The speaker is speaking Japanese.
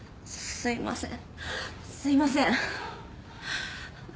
すいません。